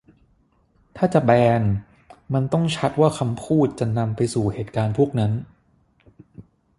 ถ้าจะแบน มันต้องชัดว่าคำพูดจะนำไปสู่เหตุการณ์พวกนั้น